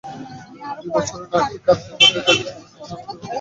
বিবস্ত্র নারীটি কাঁদতে থাকে এবং মূর্তি না ভাঙ্গার জন্য অনুনয়-বিনয় করে।